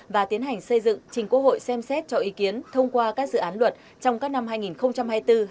và tiến hành xây dựng trình quốc hội xem xét cho ý kiến thông qua các dự án luật trong các năm hai nghìn hai mươi bốn hai nghìn hai mươi năm